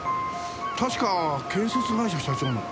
確か建設会社社長の。